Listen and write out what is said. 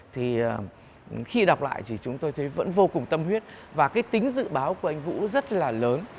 thì khi đọc lại thì chúng tôi thấy vẫn vô cùng tâm huyết và cái tính dự báo của anh vũ rất là lớn